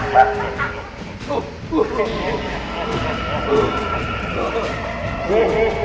อภัย